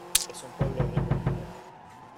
Es un pueblo rico en historia.